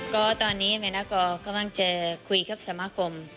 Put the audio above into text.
ก็ตอนนี้เมนากรกำลังจะคุยกับสมาคม